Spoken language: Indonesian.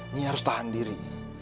nyi harus tahan diri